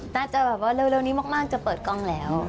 น่าจะแบบว่าเร็วนี้มากจะเปิดกล้องแล้ว